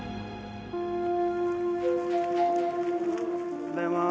おはようございます。